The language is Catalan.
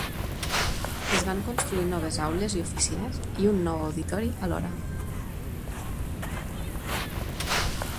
Es van construir noves aules i oficines, i un nou auditori a l'hora.